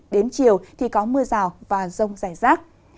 đến chiều thì có mưa rào và rông rải rác